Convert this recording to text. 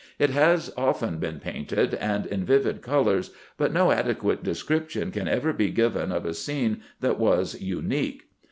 It has often been painted, and in vivid colours, but no adequate description can ever be given of a scene that was unique."